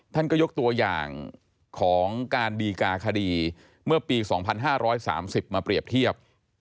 ท่านก็ยกตัวอย่างของการดีกาคดีเมื่อปี๒๕๓๐มาเปรียบเทียบ